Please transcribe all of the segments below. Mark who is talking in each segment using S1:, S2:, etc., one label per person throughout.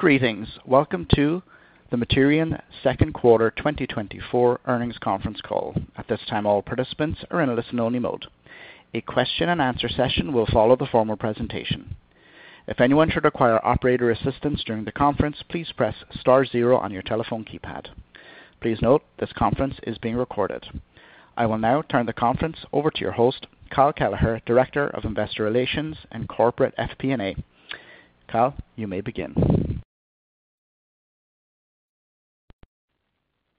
S1: Greetings! Welcome to the Materion Second Quarter 2024 Earnings Conference Call. At this time, all participants are in a listen-only mode. A question-and-answer session will follow the formal presentation. If anyone should require operator assistance during the conference, please press star zero on your telephone keypad. Please note, this conference is being recorded. I will now turn the conference over to your host, Kyle Kelleher, Director of Investor Relations and Corporate FP&A. Kyle, you may begin.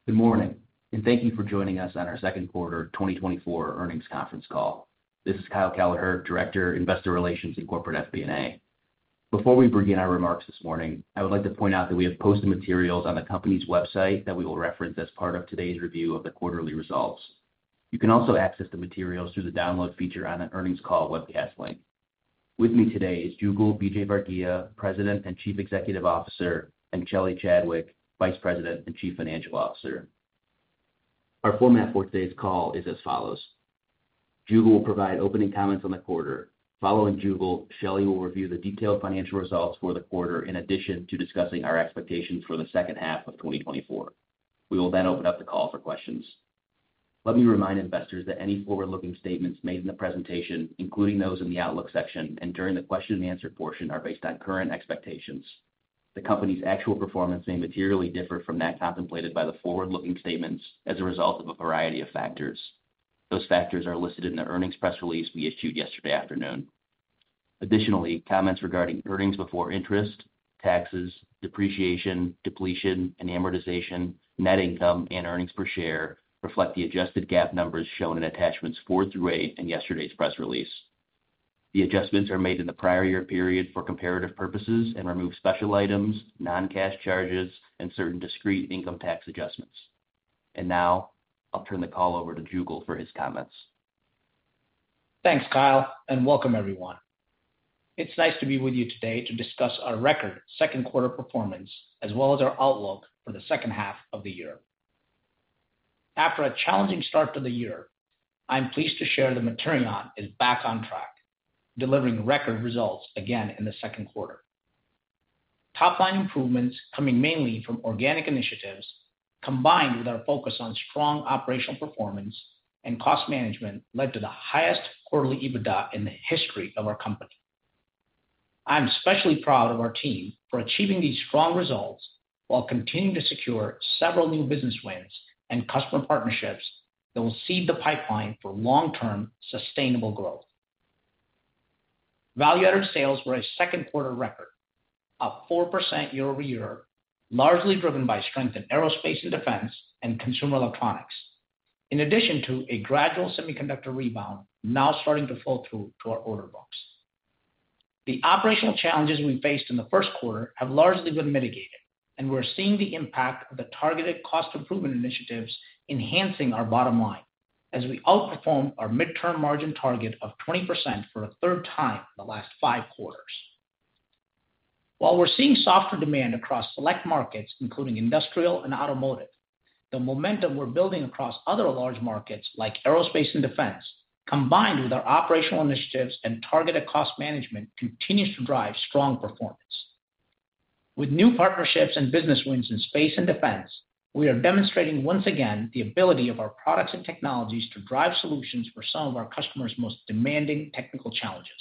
S2: Good morning, and thank you for joining us on our second quarter 2024 earnings conference call. This is Kyle Kelleher, Director, Investor Relations and Corporate FP&A. Before we begin our remarks this morning, I would like to point out that we have posted materials on the company's website that we will reference as part of today's review of the quarterly results. You can also access the materials through the download feature on the earnings call webcast link. With me today is Jugal Vijayvargiya, President and Chief Executive Officer, and Shelly Chadwick, Vice President and Chief Financial Officer. Our format for today's call is as follows: Jugal will provide opening comments on the quarter. Following Jugal, Shelly will review the detailed financial results for the quarter, in addition to discussing our expectations for the second half of 2024. We will then open up the call for questions. Let me remind investors that any forward-looking statements made in the presentation, including those in the outlook section and during the question-and-answer portion, are based on current expectations. The company's actual performance may materially differ from that contemplated by the forward-looking statements as a result of a variety of factors. Those factors are listed in the earnings press release we issued yesterday afternoon. Additionally, comments regarding earnings before interest, taxes, depreciation, depletion, and amortization, net income, and earnings per share reflect the adjusted GAAP numbers shown in attachments 4 through 8 in yesterday's press release. The adjustments are made in the prior year period for comparative purposes and remove special items, non-cash charges, and certain discrete income tax adjustments. Now, I'll turn the call over to Jugal for his comments.
S3: Thanks, Kyle, and welcome everyone. It's nice to be with you today to discuss our record second quarter performance, as well as our outlook for the second half of the year. After a challenging start to the year, I'm pleased to share that Materion is back on track, delivering record results again in the second quarter. Top-line improvements coming mainly from organic initiatives, combined with our focus on strong operational performance and cost management, led to the highest quarterly EBITDA in the history of our company. I'm especially proud of our team for achieving these strong results while continuing to secure several new business wins and customer partnerships that will seed the pipeline for long-term, sustainable growth. Value-added sales were a second quarter record, up 4% year-over-year, largely driven by strength in aerospace and defense and consumer electronics. In addition to a gradual semiconductor rebound now starting to flow through to our order books. The operational challenges we faced in the first quarter have largely been mitigated, and we're seeing the impact of the targeted cost improvement initiatives enhancing our bottom line as we outperform our midterm margin target of 20% for a third time in the last 5 quarters. While we're seeing softer demand across select markets, including industrial and automotive, the momentum we're building across other large markets, like aerospace and defense, combined with our operational initiatives and targeted cost management, continues to drive strong performance. With new partnerships and business wins in space and defense, we are demonstrating, once again, the ability of our products and technologies to drive solutions for some of our customers' most demanding technical challenges.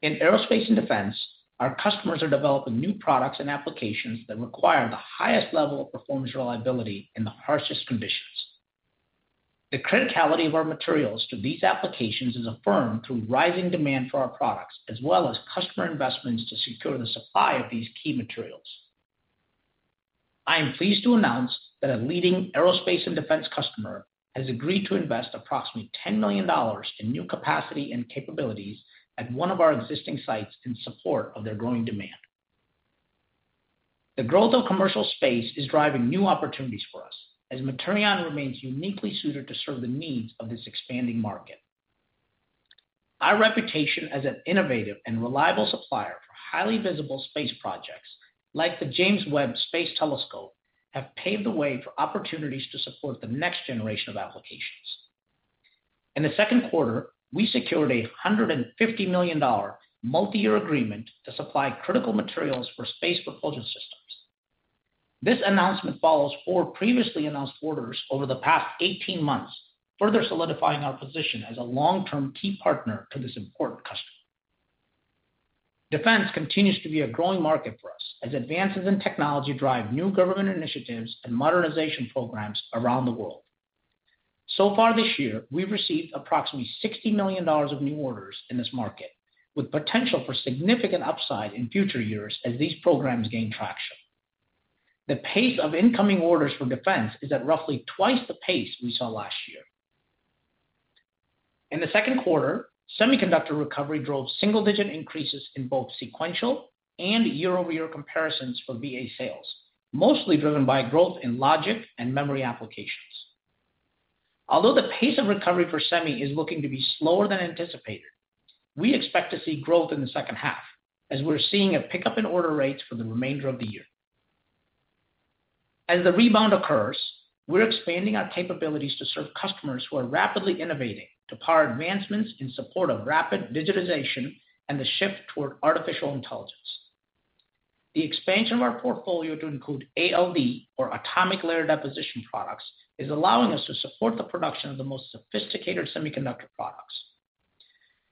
S3: In aerospace and defense, our customers are developing new products and applications that require the highest level of performance reliability in the harshest conditions. The criticality of our materials to these applications is affirmed through rising demand for our products, as well as customer investments to secure the supply of these key materials. I am pleased to announce that a leading aerospace and defense customer has agreed to invest approximately $10 million in new capacity and capabilities at one of our existing sites in support of their growing demand. The growth of commercial space is driving new opportunities for us, as Materion remains uniquely suited to serve the needs of this expanding market. Our reputation as an innovative and reliable supplier for highly visible space projects, like the James Webb Space Telescope, have paved the way for opportunities to support the next generation of applications. In the second quarter, we secured a $150 million multi-year agreement to supply critical materials for space propulsion systems. This announcement follows four previously announced orders over the past 18 months, further solidifying our position as a long-term key partner to this important customer. Defense continues to be a growing market for us, as advances in technology drive new government initiatives and modernization programs around the world. So far this year, we've received approximately $60 million of new orders in this market, with potential for significant upside in future years as these programs gain traction. The pace of incoming orders from defense is at roughly twice the pace we saw last year. In the second quarter, semiconductor recovery drove single-digit increases in both sequential and year-over-year comparisons for VA sales, mostly driven by growth in logic and memory applications. Although the pace of recovery for semi is looking to be slower than anticipated, we expect to see growth in the second half, as we're seeing a pickup in order rates for the remainder of the year. As the rebound occurs, we're expanding our capabilities to serve customers who are rapidly innovating to power advancements in support of rapid digitization and the shift toward artificial intelligence. The expansion of our portfolio to include ALD, or atomic layer deposition products, is allowing us to support the production of the most sophisticated semiconductor products.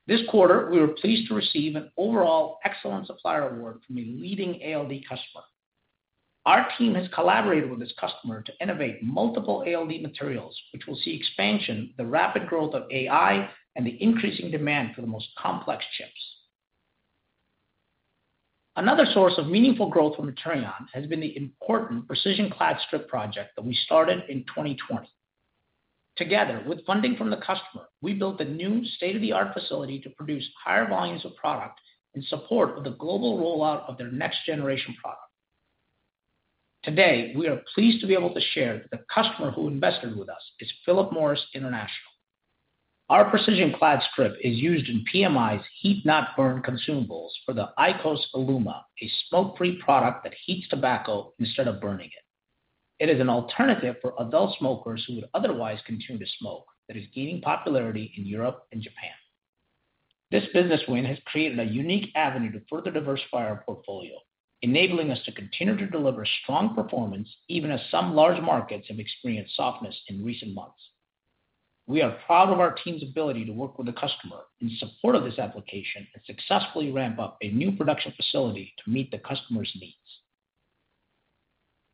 S3: This quarter, we were pleased to receive an overall excellent supplier award from a leading ALD customer. Our team has collaborated with this customer to innovate multiple ALD materials, which will see expansion, the rapid growth of AI, and the increasing demand for the most complex chips. Another source of meaningful growth for Materion has been the important Precision Clad Strip project that we started in 2020. Together, with funding from the customer, we built a new state-of-the-art facility to produce higher volumes of product in support of the global rollout of their next-generation product. Today, we are pleased to be able to share that the customer who invested with us is Philip Morris International. Our Precision Clad Strip is used in PMI's Heat-not-burn consumables for the IQOS ILUMA, a smoke-free product that heats tobacco instead of burning it. It is an alternative for adult smokers who would otherwise continue to smoke that is gaining popularity in Europe and Japan. This business win has created a unique avenue to further diversify our portfolio, enabling us to continue to deliver strong performance, even as some large markets have experienced softness in recent months. We are proud of our team's ability to work with the customer in support of this application and successfully ramp up a new production facility to meet the customer's needs.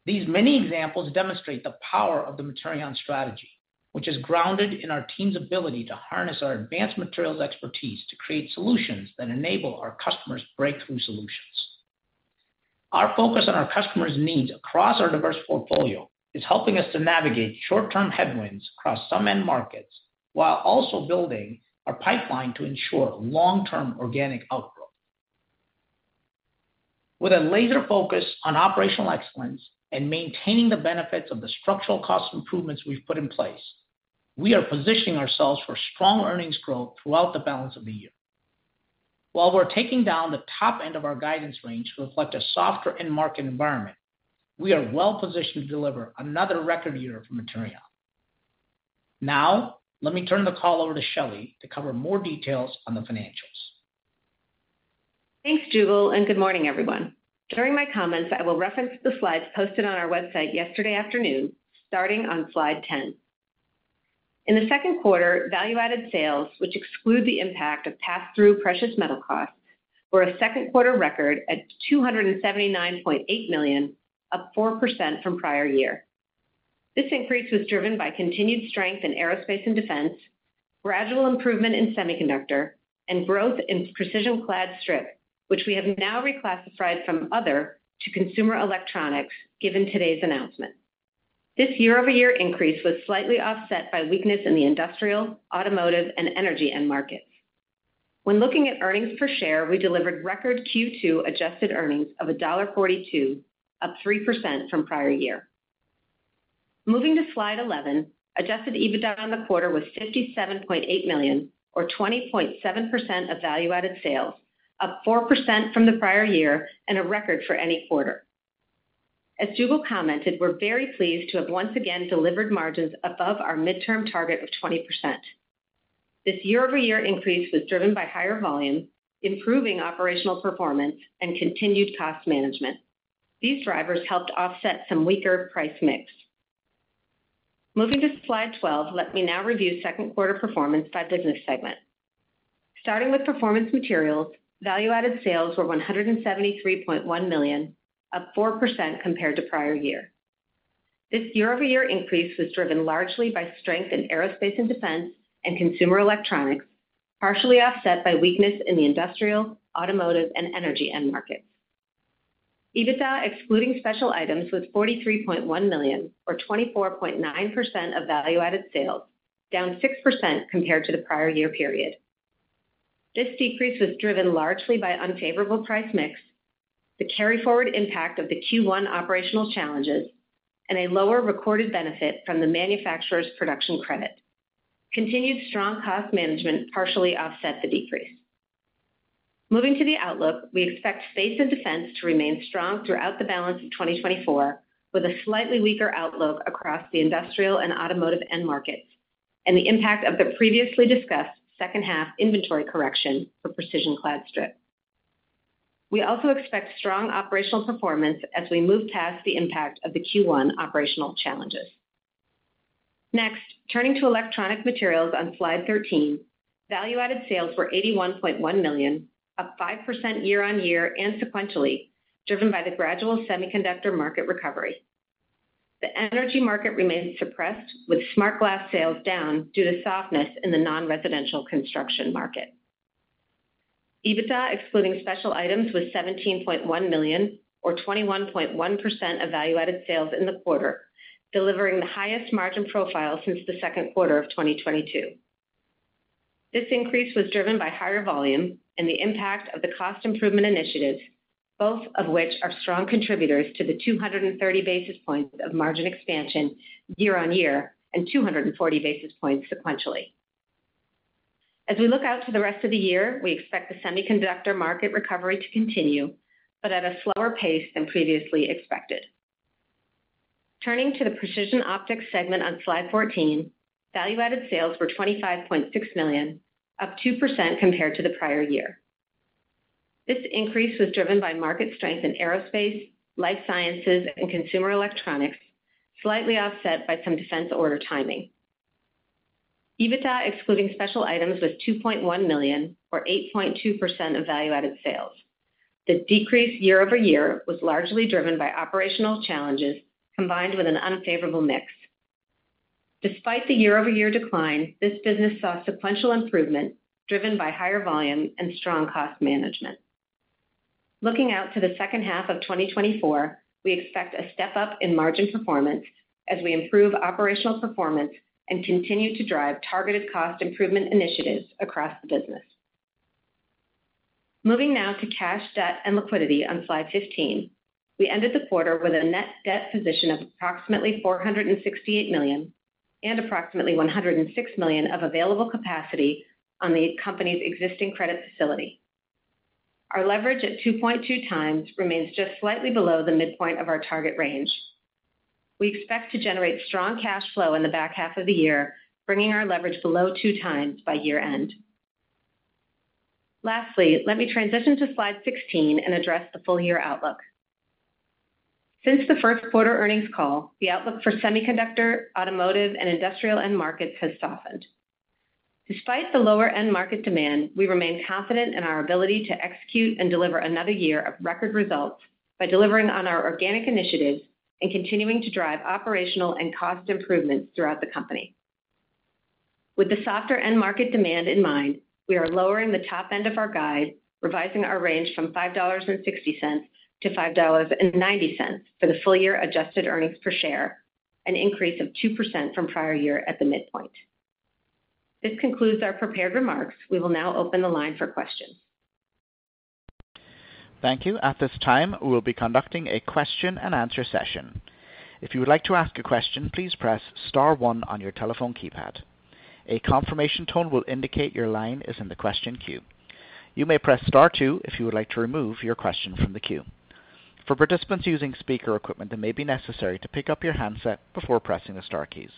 S3: These many examples demonstrate the power of the Materion strategy, which is grounded in our team's ability to harness our advanced materials expertise to create solutions that enable our customers' breakthrough solutions. Our focus on our customers' needs across our diverse portfolio is helping us to navigate short-term headwinds across some end markets, while also building a pipeline to ensure long-term organic outgrowth. With a laser focus on operational excellence and maintaining the benefits of the structural cost improvements we've put in place, we are positioning ourselves for strong earnings growth throughout the balance of the year. While we're taking down the top end of our guidance range to reflect a softer end market environment, we are well positioned to deliver another record year for Materion. Now, let me turn the call over to Shelly to cover more details on the financials.
S4: Thanks, Jugal, and good morning, everyone. During my comments, I will reference the slides posted on our website yesterday afternoon, starting on slide 10. In the second quarter, value-added sales, which exclude the impact of pass-through precious metal costs, were a second quarter record at $279.8 million, up 4% from prior year. This increase was driven by continued strength in aerospace and defense, gradual improvement in semiconductor, and growth in Precision Clad Strip, which we have now reclassified from other to consumer electronics, given today's announcement. This year-over-year increase was slightly offset by weakness in the industrial, automotive, and energy end markets. When looking at earnings per share, we delivered record Q2 adjusted earnings of $1.42, up 3% from prior year. Moving to slide 11, adjusted EBITDA on the quarter was $57.8 million, or 20.7% of value-added sales, up 4% from the prior year and a record for any quarter. As Jugal commented, we're very pleased to have once again delivered margins above our midterm target of 20%. This year-over-year increase was driven by higher volume, improving operational performance, and continued cost management. These drivers helped offset some weaker price mix. Moving to slide 12, let me now review second quarter performance by business segment. Starting with Performance Materials, value-added sales were $173.1 million, up 4% compared to prior year. This year-over-year increase was driven largely by strength in aerospace and defense and consumer electronics, partially offset by weakness in the industrial, automotive, and energy end markets. EBITDA, excluding special items, was $43.1 million, or 24.9% of value-added sales, down 6% compared to the prior year period. This decrease was driven largely by unfavorable price mix, the carry forward impact of the Q1 operational challenges, and a lower recorded benefit from the manufacturer's production credit. Continued strong cost management partially offset the decrease. Moving to the outlook, we expect space and defense to remain strong throughout the balance of 2024, with a slightly weaker outlook across the industrial and automotive end markets, and the impact of the previously discussed second half inventory correction for Precision Clad Strip. We also expect strong operational performance as we move past the impact of the Q1 operational challenges. Next, turning to Electronic Materials on slide 13, value-added sales were $81.1 million, up 5% year-on-year and sequentially, driven by the gradual semiconductor market recovery. The energy market remains suppressed, with smart glass sales down due to softness in the non-residential construction market. EBITDA, excluding special items, was $17.1 million, or 21.1% of value-added sales in the quarter, delivering the highest margin profile since the second quarter of 2022. This increase was driven by higher volume and the impact of the cost improvement initiatives, both of which are strong contributors to the 230 basis points of margin expansion year-on-year and 240 basis points sequentially. As we look out to the rest of the year, we expect the semiconductor market recovery to continue, but at a slower pace than previously expected. Turning to the Precision Optics segment on slide 14, value-added sales were $25.6 million, up 2% compared to the prior year. This increase was driven by market strength in aerospace, life sciences, and consumer electronics, slightly offset by some defense order timing. EBITDA, excluding special items, was $2.1 million, or 8.2% of value-added sales. The decrease year-over-year was largely driven by operational challenges combined with an unfavorable mix. Despite the year-over-year decline, this business saw sequential improvement, driven by higher volume and strong cost management. Looking out to the second half of 2024, we expect a step-up in margin performance as we improve operational performance and continue to drive targeted cost improvement initiatives across the business. Moving now to cash, debt, and liquidity on slide 15. We ended the quarter with a net debt position of approximately $468 million, and approximately $106 million of available capacity on the company's existing credit facility. Our leverage at 2.2 times remains just slightly below the midpoint of our target range. We expect to generate strong cash flow in the back half of the year, bringing our leverage below 2x by year-end. Lastly, let me transition to slide 16 and address the full-year outlook. Since the first quarter earnings call, the outlook for semiconductor, automotive, and industrial end markets has softened. Despite the lower end market demand, we remain confident in our ability to execute and deliver another year of record results by delivering on our organic initiatives and continuing to drive operational and cost improvements throughout the company. With the softer end market demand in mind, we are lowering the top end of our guide, revising our range from $5.60-$5.90 for the full-year adjusted earnings per share, an increase of 2% from prior year at the midpoint. This concludes our prepared remarks. We will now open the line for questions.
S1: Thank you. At this time, we will be conducting a question-and-answer session. If you would like to ask a question, please press star one on your telephone keypad. A confirmation tone will indicate your line is in the question queue. You may press star two if you would like to remove your question from the queue. For participants using speaker equipment, it may be necessary to pick up your handset before pressing the star keys.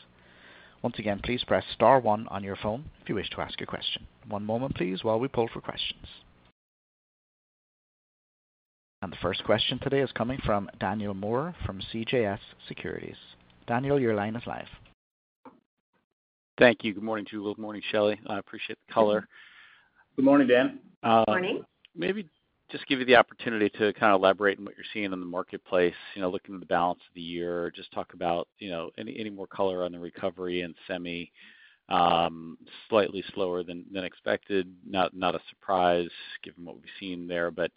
S1: Once again, please press star one on your phone if you wish to ask a question. One moment, please, while we pull for questions. The first question today is coming from Daniel Moore from CJS Securities. Daniel, your line is live.
S5: Thank you. Good morning, Jugal. Good morning, Shelly. I appreciate the color.
S3: Good morning, Dan.
S4: Morning.
S5: Maybe just give you the opportunity to kind of elaborate on what you're seeing in the marketplace, you know, looking at the balance of the year. Just talk about, you know, any more color on the recovery in semi, slightly slower than expected. Not a surprise, given what we've seen there. But,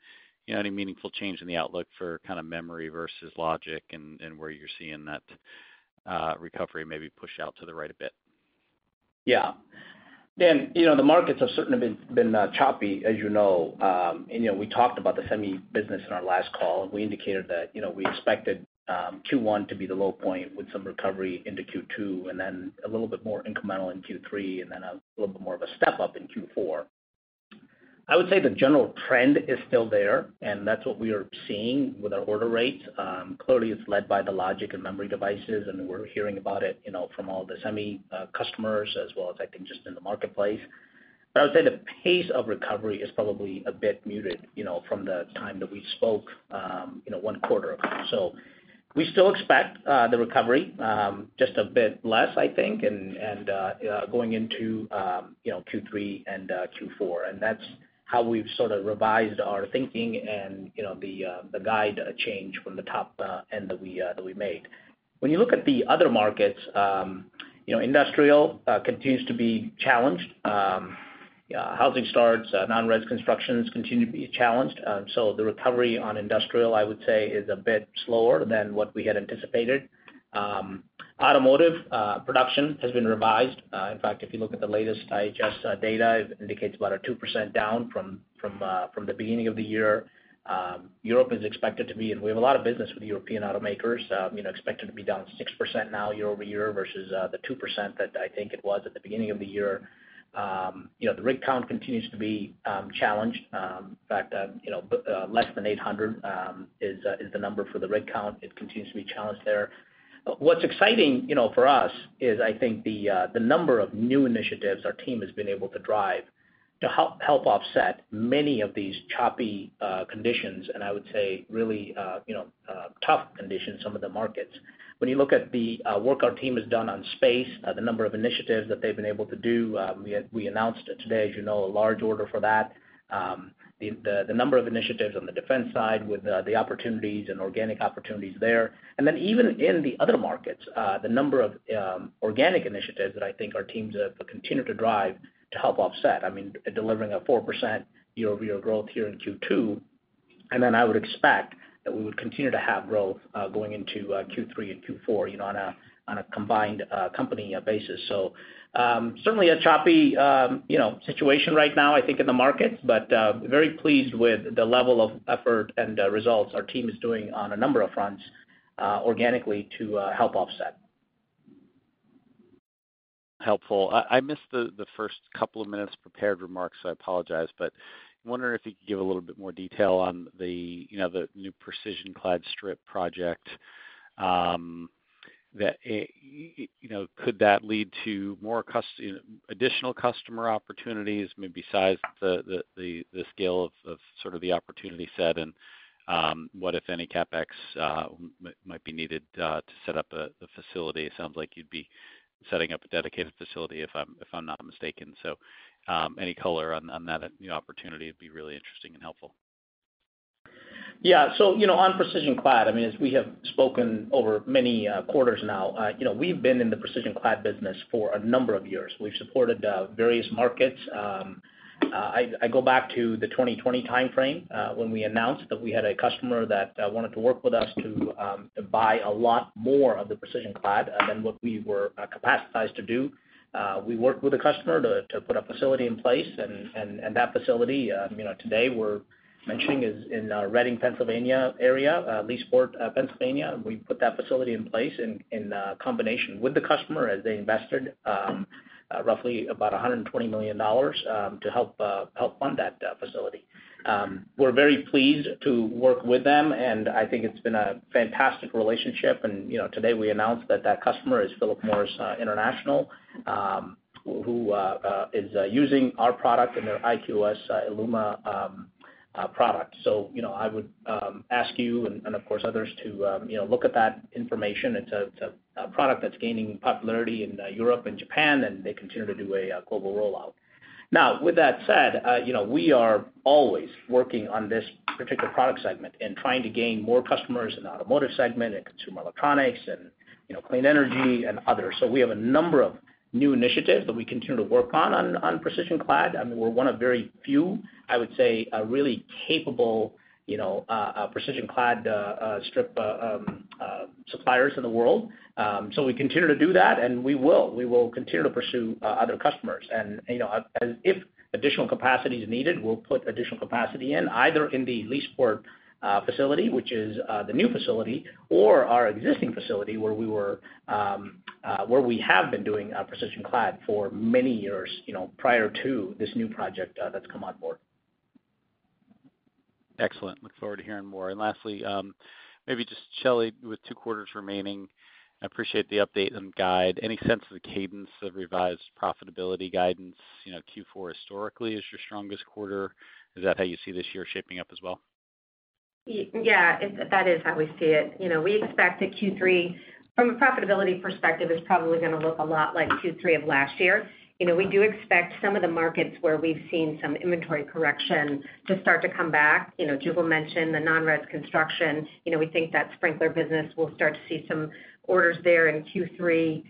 S5: you know, any meaningful change in the outlook for kind of memory versus logic and where you're seeing that recovery maybe push out to the right a bit?
S3: Yeah. Dan, you know, the markets have certainly been choppy, as you know. You know, we talked about the semi business in our last call, and we indicated that, you know, we expected Q1 to be the low point with some recovery into Q2, and then a little bit more incremental in Q3, and then a little bit more of a step up in Q4. I would say the general trend is still there, and that's what we are seeing with our order rates. Clearly, it's led by the logic and memory devices, and we're hearing about it, you know, from all the semi customers as well as I think just in the marketplace. But I would say the pace of recovery is probably a bit muted, you know, from the time that we spoke, you know, one quarter ago. So we still expect the recovery just a bit less, I think, and going into, you know, Q3 and Q4. And that's how we've sort of revised our thinking and, you know, the guidance change from the top end that we made. When you look at the other markets, you know, industrial continues to be challenged. Yeah, housing starts, non-res constructions continue to be challenged. So the recovery on industrial, I would say, is a bit slower than what we had anticipated. Automotive production has been revised. In fact, if you look at the latest IHS data, it indicates about 2% down from the beginning of the year. Europe is expected to be, and we have a lot of business with European automakers, you know, expected to be down 6% now year-over-year, versus the 2% that I think it was at the beginning of the year. You know, the rig count continues to be challenged. In fact, you know, less than 800 is the number for the rig count. It continues to be challenged there. What's exciting, you know, for us, is I think the number of new initiatives our team has been able to drive to help offset many of these choppy conditions, and I would say really, you know, tough conditions, some of the markets. When you look at the work our team has done on space, the number of initiatives that they've been able to do, we announced it today, as you know, a large order for that. The number of initiatives on the defense side with the opportunities and organic opportunities there. And then even in the other markets, the number of organic initiatives that I think our teams have continued to drive to help offset. I mean, delivering a 4% year-over-year growth here in Q2, and then I would expect that we would continue to have growth going into Q3 and Q4, you know, on a combined company basis. So, certainly a choppy, you know, situation right now, I think, in the markets, but very pleased with the level of effort and results our team is doing on a number of fronts, organically to help offset....
S5: helpful. I missed the first couple of minutes prepared remarks, so I apologize, but wondering if you could give a little bit more detail on the, you know, the new Precision Clad Strip project. You know, could that lead to additional customer opportunities, maybe size the scale of sort of the opportunity set? And what, if any, CapEx might be needed to set up a facility? It sounds like you'd be setting up a dedicated facility, if I'm not mistaken. So any color on that new opportunity would be really interesting and helpful.
S3: Yeah. So, you know, on Precision Clad, I mean, as we have spoken over many quarters now, you know, we've been in the Precision Clad business for a number of years. We've supported various markets. I go back to the 2020 timeframe, when we announced that we had a customer that wanted to work with us to buy a lot more of the Precision Clad than what we were capacitated to do. We worked with the customer to put a facility in place, and that facility, you know, today we're mentioning is in the Reading, Pennsylvania area, Leesport, Pennsylvania. We put that facility in place in combination with the customer as they invested roughly about $120 million to help fund that facility. We're very pleased to work with them, and I think it's been a fantastic relationship. And, you know, today, we announced that that customer is Philip Morris International, who is using our product in their IQOS ILUMA product. So, you know, I would ask you and of course others to you know look at that information. It's a product that's gaining popularity in Europe and Japan, and they continue to do a global rollout. Now, with that said, you know, we are always working on this particular product segment and trying to gain more customers in the automotive segment, and consumer electronics, and you know clean energy and others. So we have a number of new initiatives that we continue to work on Precision Clad, and we're one of very few, I would say, a really capable, you know, Precision Clad Strip suppliers in the world. So we continue to do that, and we will. We will continue to pursue other customers. And, you know, and if additional capacity is needed, we'll put additional capacity in, either in the Leesport facility, which is the new facility, or our existing facility, where we have been doing Precision Clad for many years, you know, prior to this new project that's come on board.
S5: Excellent. Look forward to hearing more. Lastly, maybe just, Shelly, with two quarters remaining, I appreciate the update and guide. Any sense of the cadence of revised profitability guidance? You know, Q4 historically is your strongest quarter. Is that how you see this year shaping up as well?
S4: Yeah, that is how we see it. You know, we expect that Q3, from a profitability perspective, is probably gonna look a lot like Q3 of last year. You know, we do expect some of the markets where we've seen some inventory correction to start to come back. You know, Jugal mentioned the non-res construction. You know, we think that sprinkler business will start to see some orders there in Q3.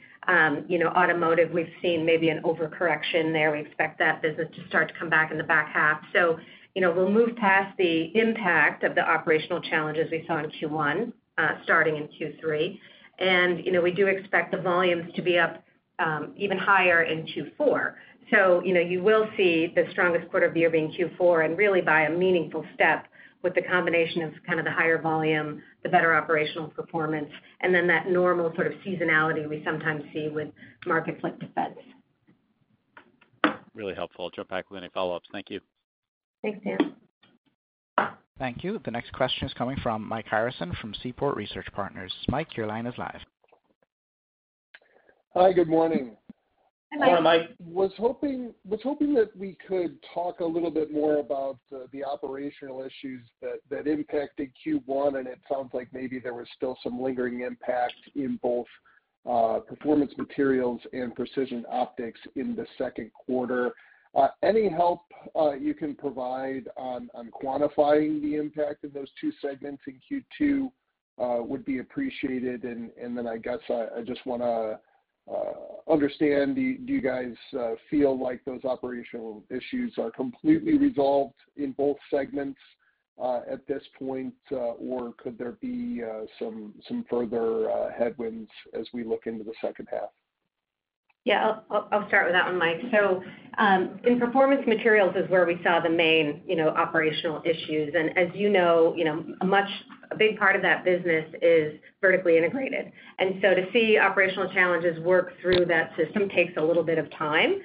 S4: You know, automotive, we've seen maybe an overcorrection there. We expect that business to start to come back in the back half. So, you know, we'll move past the impact of the operational challenges we saw in Q1, starting in Q3. And, you know, we do expect the volumes to be up, even higher in Q4. So, you know, you will see the strongest quarter view being Q4, and really by a meaningful step with the combination of kind of the higher volume, the better operational performance, and then that normal sort of seasonality we sometimes see with markets like defense.
S5: Really helpful. Jump back with any follow-ups. Thank you.
S4: Thanks, Dan.
S1: Thank you. The next question is coming from Mike Harrison from Seaport Research Partners. Mike, your line is live.
S6: Hi, good morning.
S4: Hi, Mike.
S3: Hi, Mike.
S6: Was hoping that we could talk a little bit more about the operational issues that impacted Q1, and it sounds like maybe there was still some lingering impact in both performance materials and precision optics in the second quarter. Any help you can provide on quantifying the impact of those two segments in Q2 would be appreciated. And then I guess I just wanna understand, do you guys feel like those operational issues are completely resolved in both segments at this point? Or could there be some further headwinds as we look into the second half?
S4: Yeah, I'll start with that one, Mike. So, in performance materials is where we saw the main, you know, operational issues. And as you know, you know, a big part of that business is vertically integrated. And so to see operational challenges work through that system takes a little bit of time.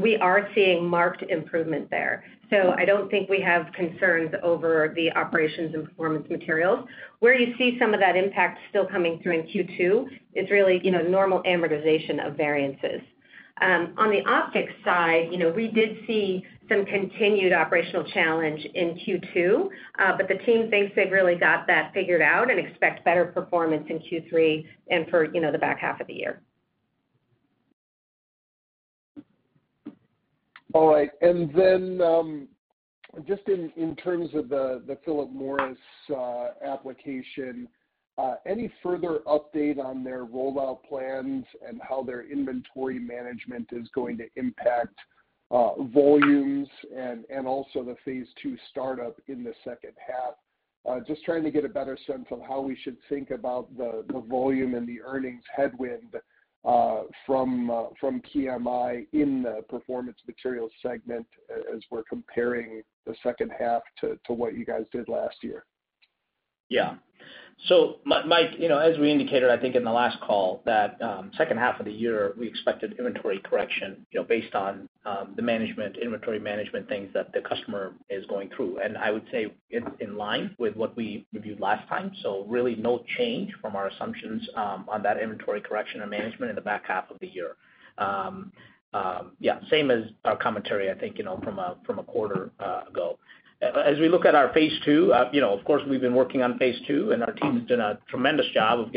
S4: We are seeing marked improvement there, so I don't think we have concerns over the operations and performance materials. Where you see some of that impact still coming through in Q2, it's really, you know, normal amortization of variances. On the optics side, you know, we did see some continued operational challenge in Q2, but the team thinks they've really got that figured out and expect better performance in Q3 and for, you know, the back half of the year.
S6: All right. And then, just in terms of the Philip Morris application, any further update on their rollout plans and how their inventory management is going to impact volumes and also the phase two startup in the second half? Just trying to get a better sense of how we should think about the volume and the earnings headwind from PMI in the performance materials segment as we're comparing the second half to what you guys did last year....
S3: Yeah. So Mike, you know, as we indicated, I think in the last call, that, second half of the year, we expected inventory correction, you know, based on, the management, inventory management things that the customer is going through. And I would say it's in line with what we reviewed last time. So really no change from our assumptions, on that inventory correction and management in the back half of the year. Yeah, same as our commentary, I think, you know, from a quarter ago. As we look at our phase two, you know, of course, we've been working on phase two, and our team has done a tremendous job of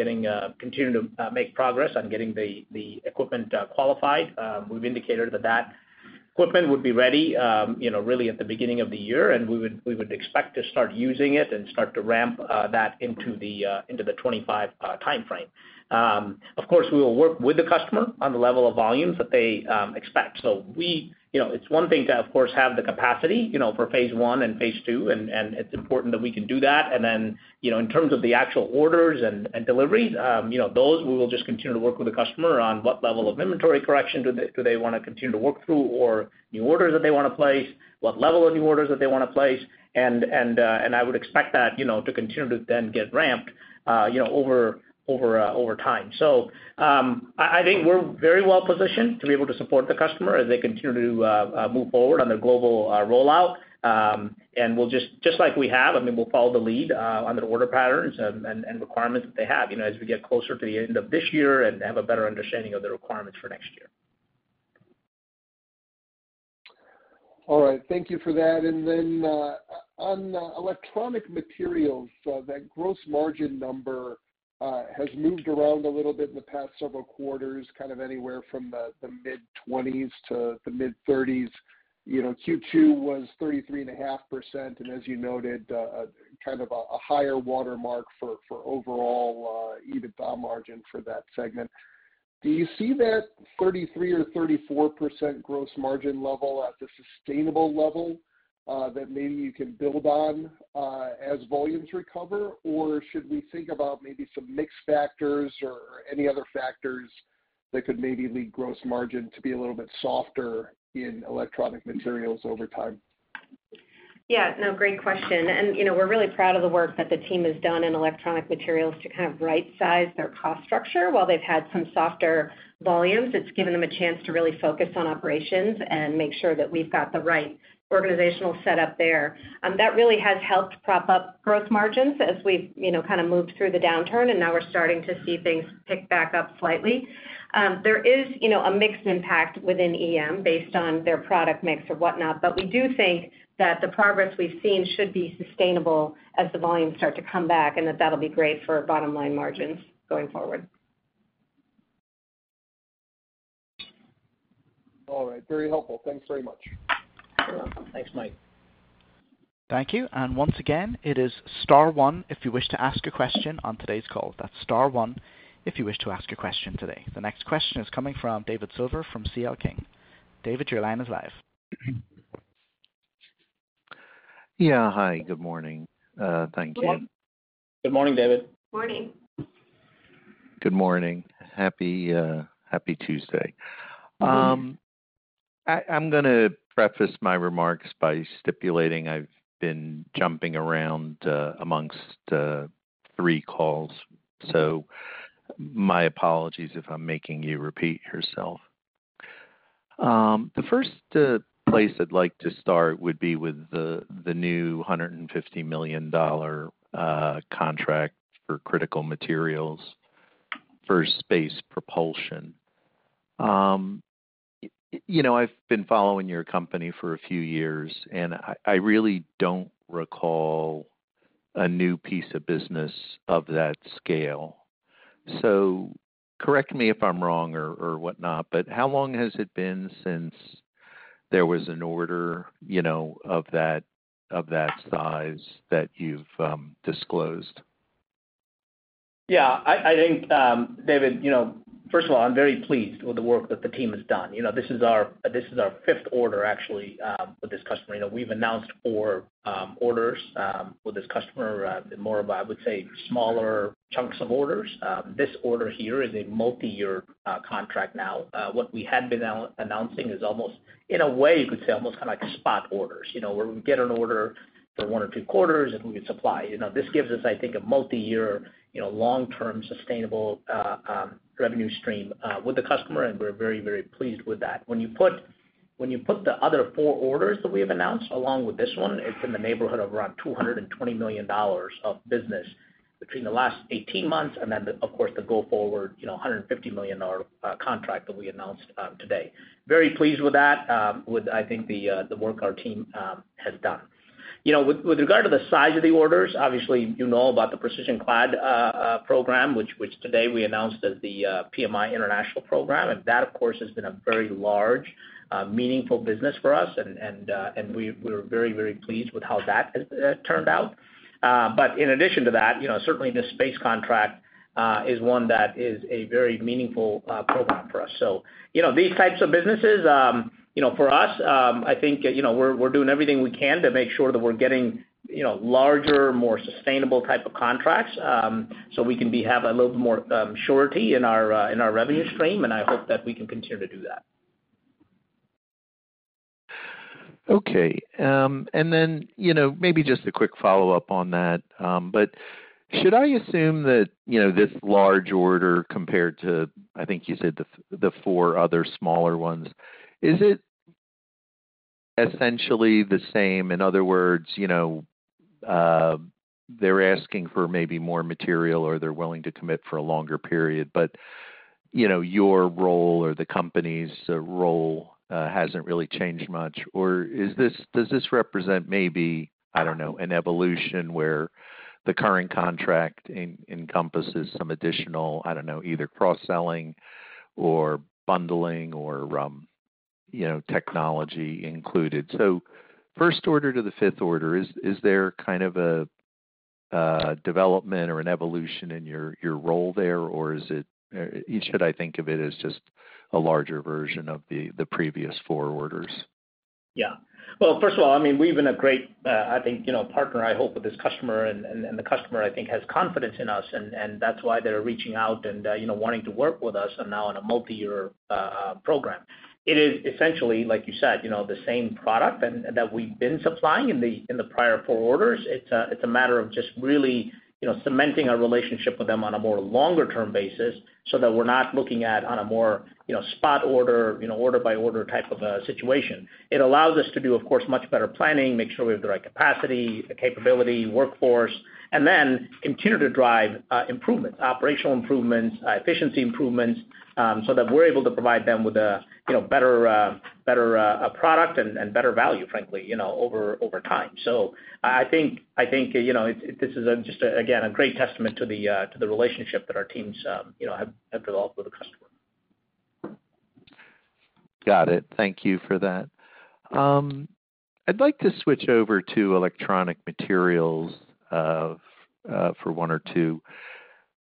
S3: continuing to make progress on getting the equipment qualified. We've indicated that that equipment would be ready, you know, really at the beginning of the year, and we would expect to start using it and start to ramp that into the 2025 timeframe. Of course, we will work with the customer on the level of volumes that they expect. So you know, it's one thing to, of course, have the capacity, you know, for Phase I and Phase II, and it's important that we can do that. And then, you know, in terms of the actual orders and deliveries, those we will just continue to work with the customer on what level of inventory correction do they wanna continue to work through or new orders that they wanna place, what level of new orders that they wanna place, and I would expect that, you know, to continue to then get ramped, you know, over time. So, I think we're very well positioned to be able to support the customer as they continue to move forward on their global rollout. And we'll just like we have, I mean, we'll follow the lead on their order patterns and requirements that they have, you know, as we get closer to the end of this year and have a better understanding of the requirements for next year.
S6: All right. Thank you for that. And then, on electronic materials, that gross margin number has moved around a little bit in the past several quarters, kind of anywhere from the mid-20s to the mid-30s. You know, Q2 was 33.5%, and as you noted, kind of a higher watermark for overall EBITDA margin for that segment. Do you see that 33 or 34% gross margin level as the sustainable level that maybe you can build on as volumes recover? Or should we think about maybe some mix factors or any other factors that could maybe lead gross margin to be a little bit softer in electronic materials over time?
S4: Yeah. No, great question. And, you know, we're really proud of the work that the team has done in electronic materials to kind of right-size their cost structure. While they've had some softer volumes, it's given them a chance to really focus on operations and make sure that we've got the right organizational set up there. That really has helped prop up gross margins as we've, you know, kind of moved through the downturn, and now we're starting to see things pick back up slightly. There is, you know, a mixed impact within EM based on their product mix or whatnot, but we do think that the progress we've seen should be sustainable as the volumes start to come back, and that that'll be great for bottom-line margins going forward.
S6: All right. Very helpful. Thanks very much.
S3: You're welcome. Thanks, Mike.
S1: Thank you. And once again, it is star one if you wish to ask a question on today's call. That's star one if you wish to ask a question today. The next question is coming from David Silver from CL King. David, your line is live.
S7: Yeah. Hi, good morning. Thank you.
S3: Good morning, David.
S4: Morning.
S7: Good morning. Happy, happy Tuesday. I'm gonna preface my remarks by stipulating I've been jumping around, amongst, three calls, so my apologies if I'm making you repeat yourself. The first place I'd like to start would be with the new $150 million contract for critical materials for space propulsion. You know, I've been following your company for a few years, and I really don't recall a new piece of business of that scale. So correct me if I'm wrong or whatnot, but how long has it been since there was an order, you know, of that size that you've disclosed?
S3: Yeah, I think, David, you know, first of all, I'm very pleased with the work that the team has done. You know, this is our fifth order, actually, with this customer. You know, we've announced four orders with this customer, and more of, I would say, smaller chunks of orders. This order here is a multiyear contract now. What we had been announcing is almost, in a way, you could say, almost kind of like spot orders, you know, where we get an order for one or two quarters, and we supply. You know, this gives us, I think, a multiyear, you know, long-term sustainable revenue stream with the customer, and we're very, very pleased with that. When you put the other four orders that we have announced, along with this one, it's in the neighborhood of around $220 million of business between the last 18 months and then, of course, the go-forward, you know, $150 million contract that we announced today. Very pleased with that, with I think the work our team has done. You know, with regard to the size of the orders, obviously, you know about the Precision Clad program, which today we announced as the PMI international program, and that, of course, has been a very large meaningful business for us, and we're very, very pleased with how that has turned out. But in addition to that, you know, certainly this space contract is one that is a very meaningful program for us. So, you know, these types of businesses, you know, for us, I think, you know, we're doing everything we can to make sure that we're getting, you know, larger, more sustainable type of contracts, so we can have a little bit more surety in our revenue stream, and I hope that we can continue to do that....
S7: Okay. And then, you know, maybe just a quick follow-up on that. But should I assume that, you know, this large order compared to, I think you said the four other smaller ones, is it essentially the same? In other words, you know, they're asking for maybe more material, or they're willing to commit for a longer period. But, you know, your role or the company's role hasn't really changed much. Or is this, does this represent maybe, I don't know, an evolution where the current contract encompasses some additional, I don't know, either cross-selling or bundling or, you know, technology included? First order to the fifth order, is there kind of a development or an evolution in your role there, or is it—should I think of it as just a larger version of the previous four orders?
S3: Yeah. Well, first of all, I mean, we've been a great, I think, you know, partner, I hope, with this customer, and, and the customer, I think, has confidence in us, and, and that's why they're reaching out and, you know, wanting to work with us and now on a multiyear program. It is essentially, like you said, you know, the same product and that we've been supplying in the prior four orders. It's a matter of just really, you know, cementing our relationship with them on a more longer-term basis so that we're not looking at on a more, you know, spot order, you know, order by order type of situation. It allows us to do, of course, much better planning, make sure we have the right capacity, the capability, workforce, and then continue to drive improvements, operational improvements, efficiency improvements, so that we're able to provide them with a, you know, better product and better value, frankly, you know, over time. So I think, you know, this is just, again, a great testament to the relationship that our teams, you know, have developed with the customer.
S7: Got it. Thank you for that. I'd like to switch over to electronic materials for one or two.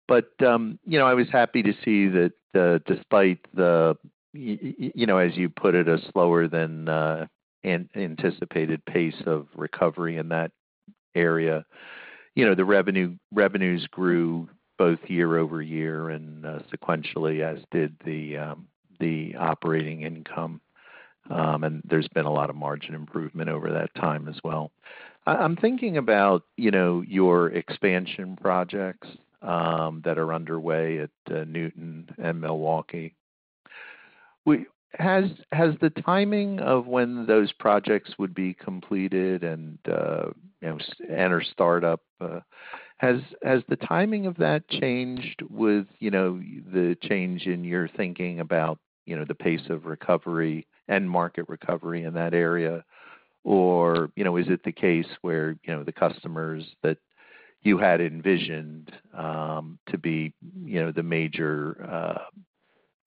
S7: But you know, I was happy to see that, despite the, you know, as you put it, a slower than anticipated pace of recovery in that area, you know, the revenue, revenues grew both year-over-year and sequentially, as did the operating income. And there's been a lot of margin improvement over that time as well. I'm thinking about, you know, your expansion projects that are underway at Newton and Milwaukee. Has the timing of when those projects would be completed and, you know, enter startup, has the timing of that changed with, you know, the change in your thinking about, you know, the pace of recovery and market recovery in that area? Or, you know, is it the case where, you know, the customers that you had envisioned to be, you know, the major off-takers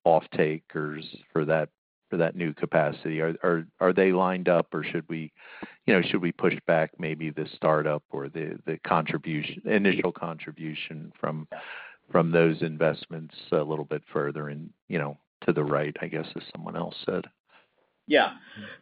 S7: for that, for that new capacity, are they lined up, or should we, you know, should we push back maybe the startup or the contribution, initial contribution from those investments a little bit further in, you know, to the right, I guess, as someone else said?
S3: Yeah.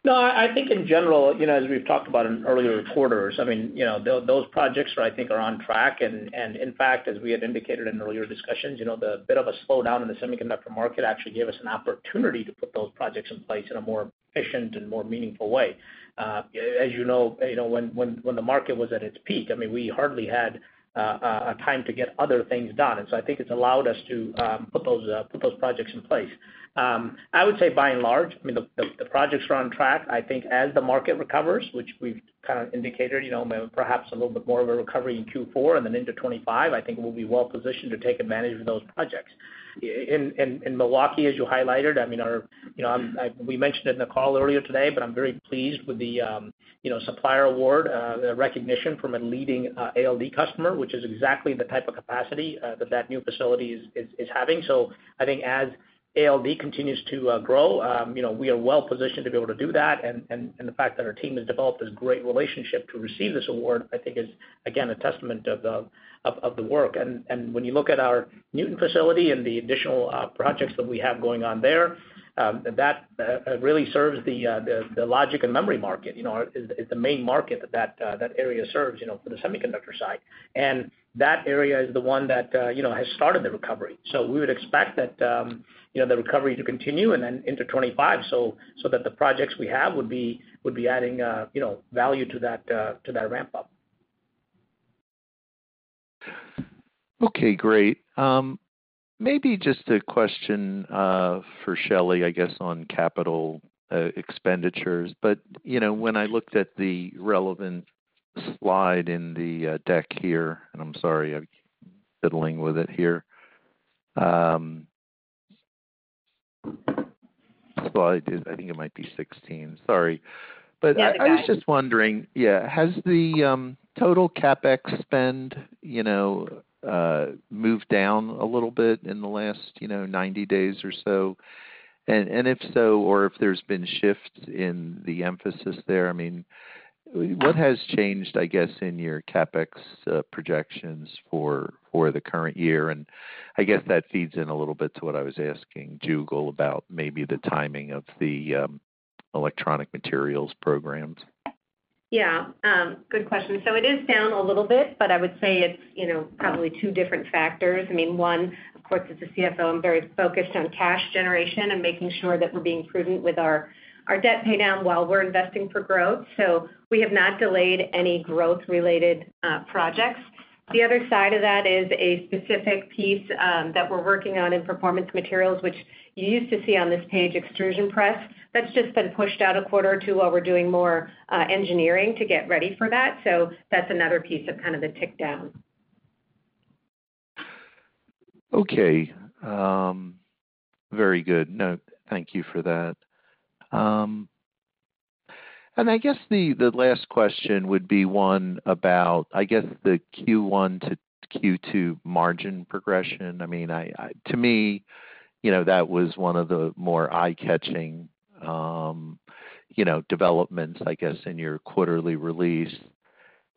S3: No, I think in general, you know, as we've talked about in earlier quarters, I mean, you know, those projects I think are on track. And in fact, as we have indicated in earlier discussions, you know, the bit of a slowdown in the semiconductor market actually gave us an opportunity to put those projects in place in a more efficient and more meaningful way. As you know, you know, when the market was at its peak, I mean, we hardly had a time to get other things done. And so I think it's allowed us to put those projects in place. I would say by and large, I mean, the projects are on track. I think as the market recovers, which we've kind of indicated, you know, perhaps a little bit more of a recovery in Q4 and then into 2025, I think we'll be well positioned to take advantage of those projects. In Milwaukee, as you highlighted, I mean, our. You know, we mentioned it in the call earlier today, but I'm very pleased with the, you know, supplier award, the recognition from a leading ALD customer, which is exactly the type of capacity that the new facility is having. So I think as ALD continues to grow, you know, we are well positioned to be able to do that. And the fact that our team has developed this great relationship to receive this award, I think is, again, a testament of the work. When you look at our Newton facility and the additional projects that we have going on there, that really serves the logic and memory market, you know, is the main market that that area serves, you know, for the semiconductor side. And that area is the one that, you know, has started the recovery. So we would expect that, you know, the recovery to continue and then into 2025, so that the projects we have would be adding, you know, value to that, to that ramp-up.
S7: Okay, great. Maybe just a question for Shelly, I guess, on capital expenditures. But, you know, when I looked at the relevant slide in the deck here, and I'm sorry, I'm fiddling with it here. Slide, I think it might be 16. Sorry.
S3: Yeah, that's right.
S7: But I was just wondering, yeah, has the total CapEx spend, you know, moved down a little bit in the last, you know, 90 days or so? And if so, or if there's been shifts in the emphasis there, I mean, what has changed, I guess, in your CapEx projections for the current year? And I guess that feeds in a little bit to what I was asking Jugal about maybe the timing of the electronic materials programs. ... Yeah, good question. So it is down a little bit, but I would say it's, you know, probably two different factors. I mean, one, of course, as a CFO, I'm very focused on cash generation and making sure that we're being prudent with our, our debt pay down while we're investing for growth. So we have not delayed any growth-related projects. The other side of that is a specific piece that we're working on in performance materials, which you used to see on this page, extrusion press. That's just been pushed out a quarter or two while we're doing more engineering to get ready for that. So that's another piece of kind of the tick down. Okay. Very good. No, thank you for that. And I guess the last question would be one about, I guess, the Q1 to Q2 margin progression. I mean, to me, you know, that was one of the more eye-catching, you know, developments, I guess, in your quarterly release.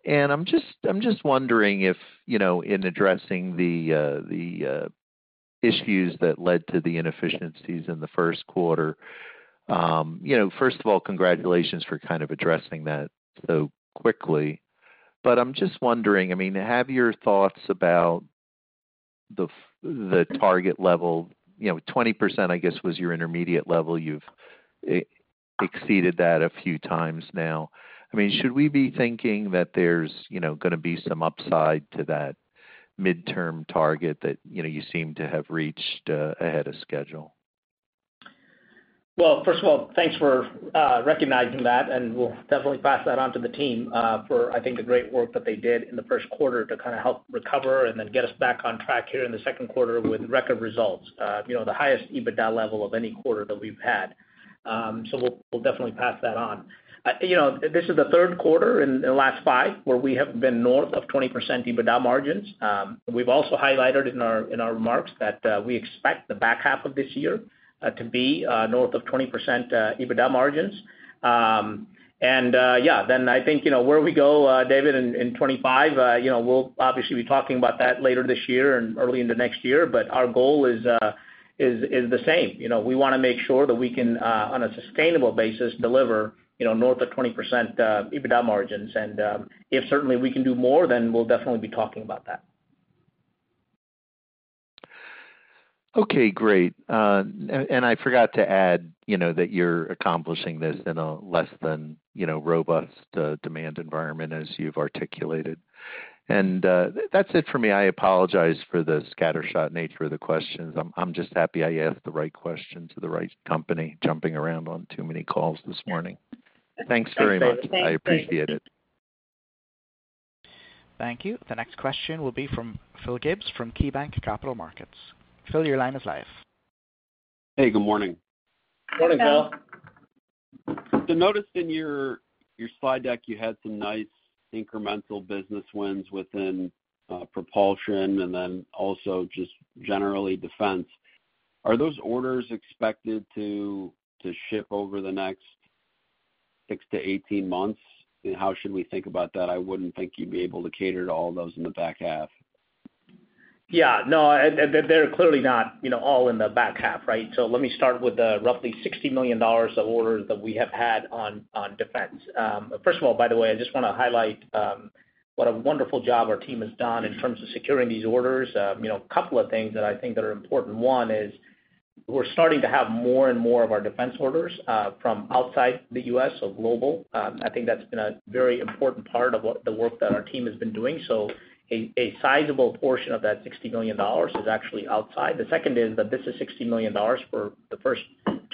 S7: And I'm just wondering if, you know, in addressing the issues that led to the inefficiencies in the first quarter, you know, first of all, congratulations for kind of addressing that so quickly. But I'm just wondering, I mean, have your thoughts about the target level, you know, 20%, I guess, was your intermediate level. You've exceeded that a few times now. I mean, should we be thinking that there's, you know, gonna be some upside to that midterm target that, you know, you seem to have reached ahead of schedule?
S3: Well, first of all, thanks for recognizing that, and we'll definitely pass that on to the team for, I think, the great work that they did in the first quarter to kind of help recover and then get us back on track here in the second quarter with record results. You know, the highest EBITDA level of any quarter that we've had. So we'll definitely pass that on. You know, this is the third quarter in the last five, where we have been north of 20% EBITDA margins. We've also highlighted in our remarks that we expect the back half of this year to be north of 20% EBITDA margins. And then I think, you know, where we go, David, in 2025, you know, we'll obviously be talking about that later this year and early in the next year, but our goal is the same. You know, we wanna make sure that we can, on a sustainable basis, deliver, you know, north of 20% EBITDA margins. And if certainly we can do more, then we'll definitely be talking about that.
S7: Okay, great. And I forgot to add, you know, that you're accomplishing this in a less than, you know, robust, demand environment as you've articulated. And that's it for me. I apologize for the scattershot nature of the questions. I'm just happy I asked the right questions to the right company, jumping around on too many calls this morning. Thanks very much.
S4: Thanks.
S7: I appreciate it.
S1: Thank you. The next question will be from Phil Gibbs, from KeyBanc Capital Markets. Phil, your line is live.
S8: Hey, good morning.
S3: Morning, Phil.
S4: Hi, Phil.
S8: So noticed in your slide deck, you had some nice incremental business wins within propulsion and then also just generally, defense. Are those orders expected to ship over the next 6-18 months? And how should we think about that? I wouldn't think you'd be able to cater to all those in the back half.
S3: Yeah, no, and they're clearly not, you know, all in the back half, right? So let me start with the roughly $60 million of orders that we have had on defense. First of all, by the way, I just wanna highlight what a wonderful job our team has done in terms of securing these orders. You know, a couple of things that I think that are important: One is, we're starting to have more and more of our defense orders from outside the U.S., so global. I think that's been a very important part of what the work that our team has been doing. So a sizable portion of that $60 million is actually outside. The second is that this is $60 million for the first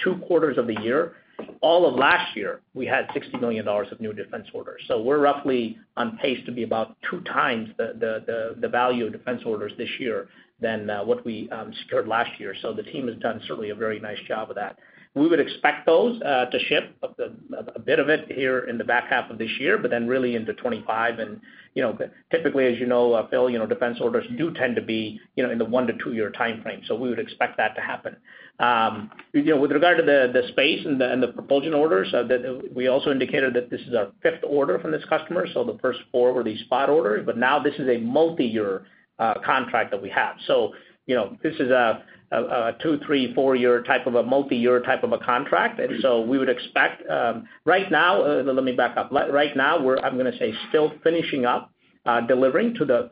S3: two quarters of the year. All of last year, we had $60 million of new defense orders. So we're roughly on pace to be about two times the value of defense orders this year than what we secured last year. So the team has done certainly a very nice job of that. We would expect those to ship a bit of it here in the back half of this year, but then really into 2025. And, you know, typically, as you know, Phil, you know, defense orders do tend to be, you know, in the 1-2-year timeframe. So we would expect that to happen. You know, with regard to the space and the propulsion orders, we also indicated that this is our fifth order from this customer, so the first 4 were these spot orders, but now this is a multi-year contract that we have. So, you know, this is a 2, 3, 4-year type of a multi-year type of a contract. And so we would expect, right now. Let me back up. Right now, we're, I'm gonna say, still finishing up delivering to the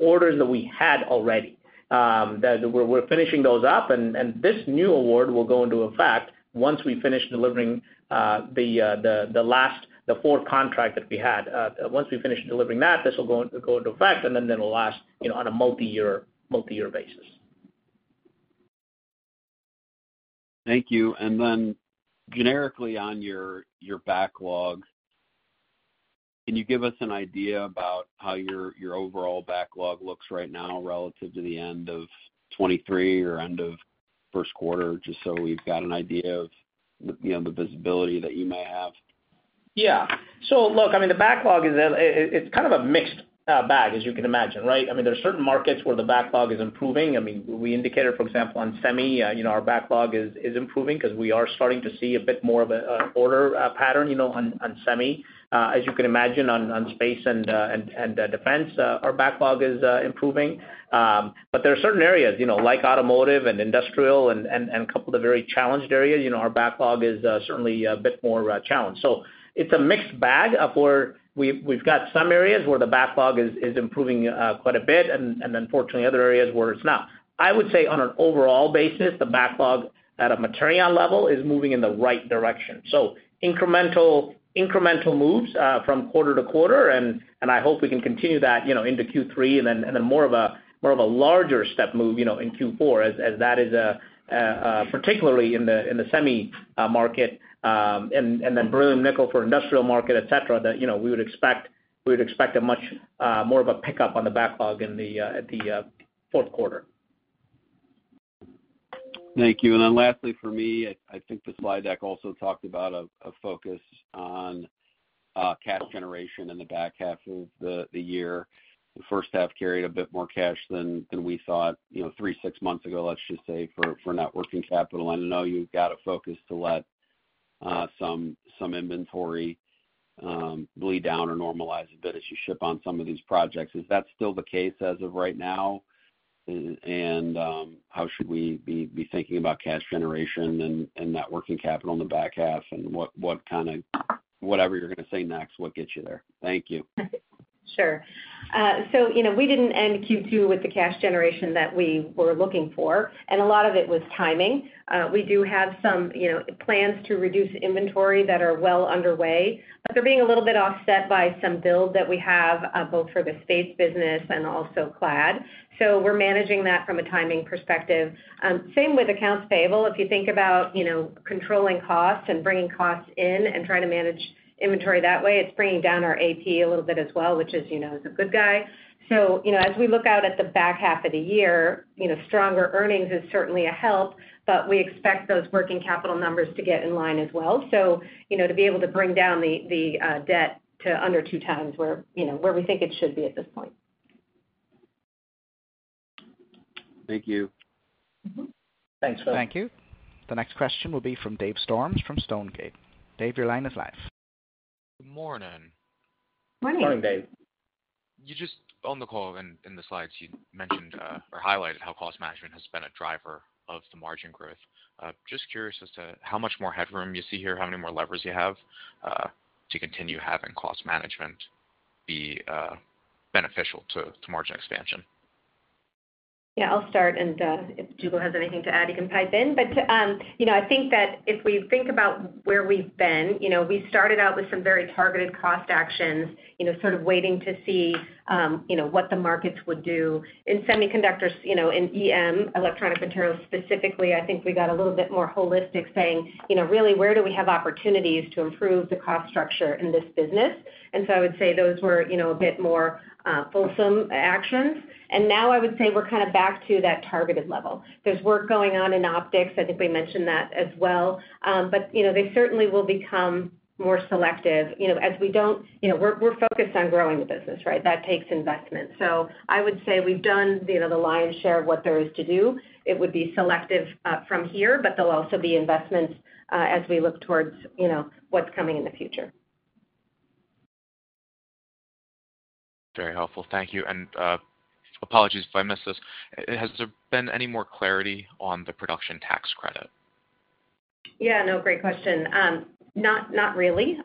S3: orders that we had already. We're finishing those up, and this new award will go into effect once we finish delivering the last, the fourth contract that we had. Once we finish delivering that, this will go into effect, and then it'll last, you know, on a multi-year basis.
S8: Thank you. And then generically on your backlog, can you give us an idea about how your overall backlog looks right now relative to the end of 2023 or end of first quarter, just so we've got an idea of, you know, the visibility that you may have?...
S3: Yeah. So look, I mean, the backlog is it's kind of a mixed bag, as you can imagine, right? I mean, there are certain markets where the backlog is improving. I mean, we indicated, for example, on semi, you know, our backlog is improving because we are starting to see a bit more of a order pattern, you know, on semi. As you can imagine, on space and defense, our backlog is improving. But there are certain areas, you know, like automotive and industrial and a couple of the very challenged areas, you know, our backlog is certainly a bit more challenged. So it's a mixed bag of where we've got some areas where the backlog is improving quite a bit, and then unfortunately, other areas where it's not. I would say on an overall basis, the backlog at a Materion level is moving in the right direction. So incremental moves from quarter to quarter, and I hope we can continue that, you know, into Q3 and then more of a larger step move, you know, in Q4, as that is a particularly in the semi market, and then beryllium nickel for industrial market, et cetera, that you know, we would expect a much more of a pickup on the backlog in the at the fourth quarter.
S8: Thank you. And then lastly for me, I think the slide deck also talked about a focus on cash generation in the back half of the year. The first half carried a bit more cash than we thought, you know, 3-6 months ago, let's just say, for net working capital. I know you've got a focus to let some inventory bleed down or normalize a bit as you ship on some of these projects. Is that still the case as of right now? And how should we be thinking about cash generation and net working capital in the back half, and what kind of... Whatever you're going to say next, what gets you there? Thank you.
S4: Sure. So, you know, we didn't end Q2 with the cash generation that we were looking for, and a lot of it was timing. We do have some, you know, plans to reduce inventory that are well underway, but they're being a little bit offset by some build that we have, both for the space business and also clad. So we're managing that from a timing perspective. Same with accounts payable. If you think about, you know, controlling costs and bringing costs in and trying to manage inventory that way, it's bringing down our AP a little bit as well, which is, you know, is a good guy. So, you know, as we look out at the back half of the year, you know, stronger earnings is certainly a help, but we expect those working capital numbers to get in line as well. You know, to be able to bring down the debt to under two times, you know, where we think it should be at this point.
S8: Thank you.
S4: Mm-hmm.
S3: Thanks.
S1: Thank you. The next question will be from Dave Storms from Stonegate. Dave, your line is live.
S9: Good morning.
S4: Morning.
S3: Morning, Dave.
S9: You just, on the call and in the slides, you mentioned, or highlighted how cost management has been a driver of the margin growth. Just curious as to how much more headroom you see here, how many more levers you have, to continue having cost management be, beneficial to, to margin expansion?
S4: Yeah, I'll start, and if Hugo has anything to add, he can pipe in. But you know, I think that if we think about where we've been, you know, we started out with some very targeted cost actions, you know, sort of waiting to see, you know, what the markets would do. In semiconductors, you know, in EM, electronic materials specifically, I think we got a little bit more holistic saying, you know, really, where do we have opportunities to improve the cost structure in this business? And so I would say those were, you know, a bit more fulsome actions. And now I would say we're kind of back to that targeted level. There's work going on in optics, I think we mentioned that as well. But, you know, they certainly will become more selective, you know. You know, we're focused on growing the business, right? That takes investment. So I would say we've done, you know, the lion's share of what there is to do. It would be selective from here, but there'll also be investments as we look towards, you know, what's coming in the future.
S9: Very helpful. Thank you, and, apologies if I missed this. Has there been any more clarity on the production tax credit?
S4: Yeah, no, great question. Not, not really.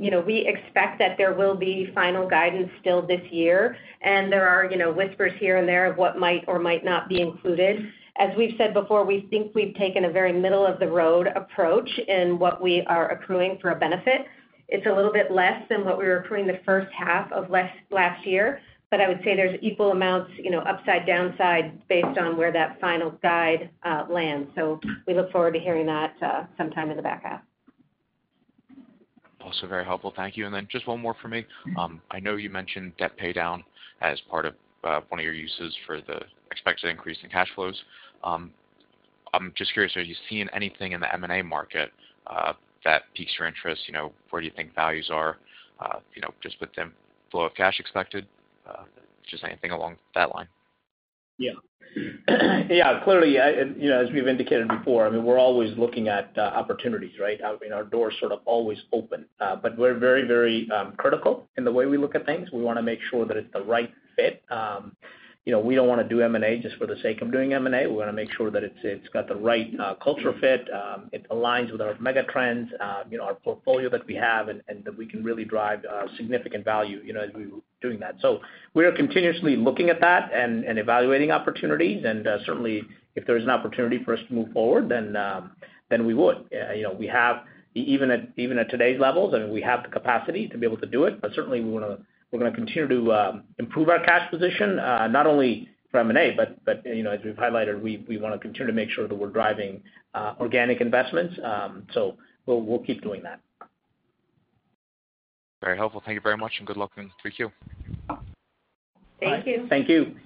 S4: You know, we expect that there will be final guidance still this year, and there are, you know, whispers here and there of what might or might not be included. As we've said before, we think we've taken a very middle-of-the-road approach in what we are accruing for a benefit. It's a little bit less than what we were accruing the first half of last year, but I would say there's equal amounts, you know, upside, downside, based on where that final guide lands. So we look forward to hearing that sometime in the back half.
S9: Also, very helpful. Thank you. And then just one more for me. I know you mentioned debt paydown as part of one of your uses for the expected increase in cash flows. I'm just curious, are you seeing anything in the M&A market that piques your interest? You know, where do you think values are, you know, just with the flow of cash expected? Just anything along that line.
S3: Yeah. Yeah, clearly, you know, as we've indicated before, I mean, we're always looking at opportunities, right? I mean, our door is sort of always open. But we're very, very critical in the way we look at things. We wanna make sure that it's the right fit. You know, we don't wanna do M&A just for the sake of doing M&A. We wanna make sure that it's got the right culture fit. It aligns with our mega trends, you know, our portfolio that we have, and that we can really drive significant value, you know, as we were doing that. So we are continuously looking at that and evaluating opportunities, and certainly, if there is an opportunity for us to move forward, then we would. You know, we have even at even at today's levels, and we have the capacity to be able to do it, but certainly we wanna, we're gonna continue to improve our cash position, not only for M&A, but you know, as we've highlighted, we wanna continue to make sure that we're driving organic investments. So we'll keep doing that.
S9: Very helpful. Thank you very much, and good luck in 3Q.
S4: Thank you.
S3: Thank you.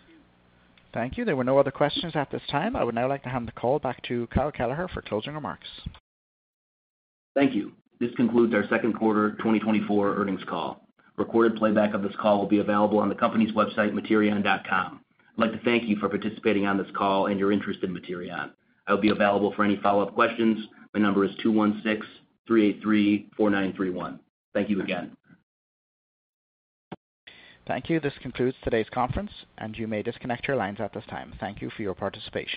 S1: Thank you. There were no other questions at this time. I would now like to hand the call back to Kyle Kelleher for closing remarks.
S2: Thank you. This concludes our second quarter 2024 earnings call. Recorded playback of this call will be available on the company's website, materion.com. I'd like to thank you for participating on this call and your interest in Materion. I'll be available for any follow-up questions. My number is 216-383-4931. Thank you again.
S1: Thank you. This concludes today's conference, and you may disconnect your lines at this time. Thank you for your participation.